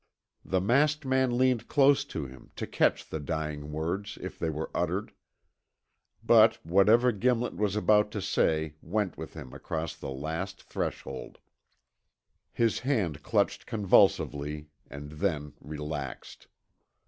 The masked man leaned close to him, to catch the dying words if they were uttered. But whatever Gimlet was about to say went with him across the last threshold. His hand clutched convulsively and then relaxed.